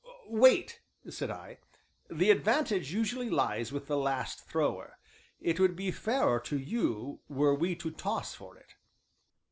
"Wait," said I, "the advantage usually lies with the last thrower, it would be fairer to you were we to toss for it."